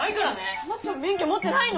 ハマちゃん免許持ってないの？